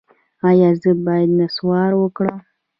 ایا زه باید نسوار وکړم؟